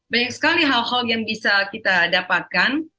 banyak sekali hal hal yang bisa kita dapatkan